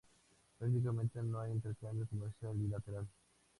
Prácticamente no hay intercambio comercial bilateral.